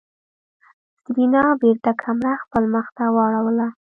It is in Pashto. سېرېنا بېرته کمره خپل مخ ته واړوله.